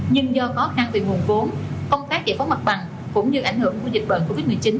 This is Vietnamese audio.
nhưng do khó khăn về nguồn vốn công tác giải phóng mặt bằng cũng như ảnh hưởng của dịch bệnh covid một mươi chín